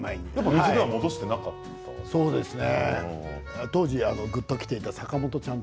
水では戻してなかったですか？